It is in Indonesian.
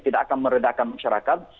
tidak akan meredakan masyarakat